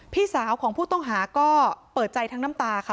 พี่สาวของผู้ต้องหาก็เปิดใจทั้งน้ำตาค่ะ